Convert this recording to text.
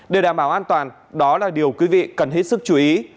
để đảm bảo an toàn đó là điều quý vị cần hết sức chú ý